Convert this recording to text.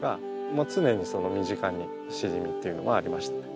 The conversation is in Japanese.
常にその身近にしじみっていうのはありましたね。